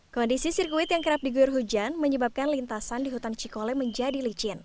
kondisi sirkuit yang kerap diguyur hujan menyebabkan lintasan di hutan cikole menjadi licin